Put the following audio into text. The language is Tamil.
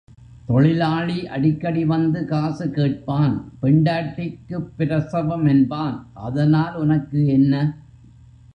தொழிலாளி அடிக்கடி வந்து காசு கேட்பான் பெண்டாட்டிக்குப் பிரசவம் என்பான் அதனால் உனக்கு என்ன?